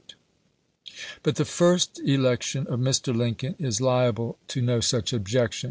But the first election of Mr. Lincoln is liable to no such objection.